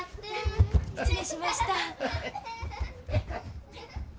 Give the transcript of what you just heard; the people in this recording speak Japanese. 失礼しました。